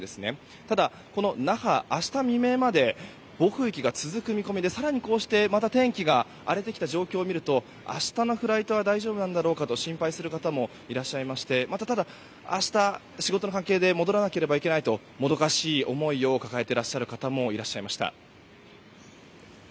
ただ、那覇は明日未明まで暴風域が続く見込みで更に、また天気が荒れてきた状況を見ると明日のフライトは大丈夫なんだろうかと心配する方もいましてただ、明日仕事の関係で戻らなければいけないともどかしい思いを抱える方もいらっしゃいました。